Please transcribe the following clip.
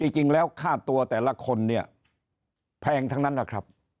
จริงแล้วค่าตัวแต่ละคนเนี่ยแพงทั้งนั้นนะครับ